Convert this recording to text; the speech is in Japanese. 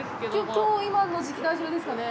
きょう、今の時期、大丈夫ですかね。